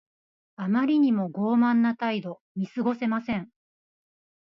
あまりにも傲慢な態度。見過ごせません。